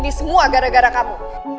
di semua gara gara kamu